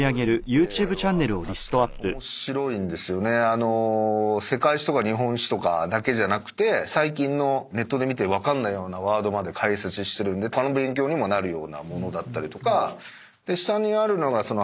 あの世界史とか日本史とかだけじゃなくて最近のネットで見て分かんないようなワードまで解説してるんで他の勉強にもなるようなものだったりとか。